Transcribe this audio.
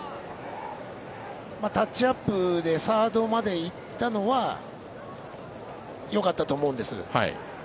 タッチアップでサードまで行ったのはよかったと思うんです。